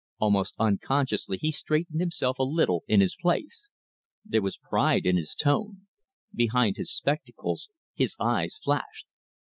Almost unconsciously he straightened himself a little in his place. There was pride in his tone. Behind his spectacles his eyes flashed.